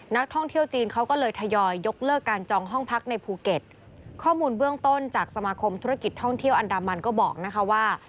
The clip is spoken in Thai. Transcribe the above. นักท่องเที่ยวจีนเขาก็เลยทยอยยกเลิกการจองห้องพักในภูเก็ตข้อมูลเบื้องต้นจากสมาคมธุรกิจท่องเที่ยวอันดามันก็บอกนะคะว่า